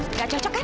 tidak cocok kan